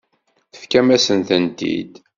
Tefkam-asen-tent-id.